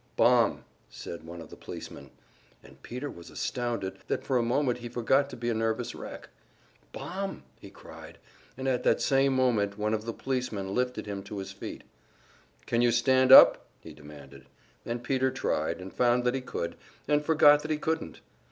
"Bomb," said one of the policemen; and Peter was astounded that for a moment he forgot to be a nervous wreck. "Bomb!" he cried; and at the same moment one of the policemen lifted him to his feet. "Can you stand up?" he demanded; and Peter tried, and found that he could, and forgot that he couldn't.